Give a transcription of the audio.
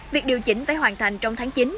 việc điều chỉnh phải hoàn thành trong tháng chín